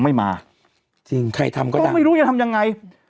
ไม่มาจริงใครทำก็ได้ไม่รู้จะทำยังไง